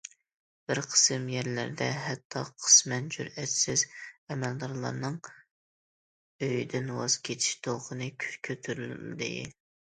بىر قىسىم يەرلەردە ھەتتا قىسمەن جۈرئەتسىز ئەمەلدارلارنىڭ« ئۆيدىن ۋاز كېچىش دولقۇنى» كۆتۈرۈلدى.